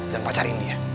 dan pacarin dia